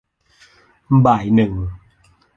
บ่ายหนึ่ง